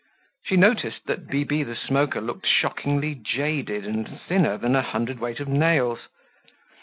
She noticed that Bibi the Smoker looked shockingly jaded and thinner than a hundred weight of nails.